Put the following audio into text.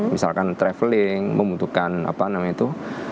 misalkan traveling membutuhkan apa namanya itu